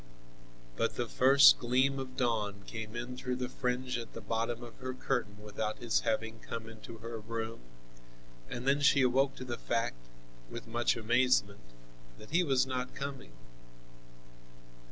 But the first gleam of dawn came in through the fringe at the bottom of her curtain without his having come into her room, and then she awoke to the fact, with much amazement, that he was not coming.